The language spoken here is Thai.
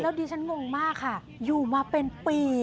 แล้วดีฉันงงมากค่ะอยู่มาเป็นปีค่ะ